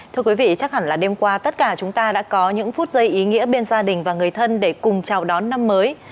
thưa quý vị chắc hẳn là đêm qua tất cả chúng ta đã có những phút giây ý nghĩa bên gia đình và người thân để cùng chào đón năm mới